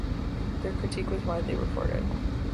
Their critique was widely reported.